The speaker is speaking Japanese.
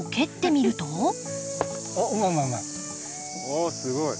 おすごい。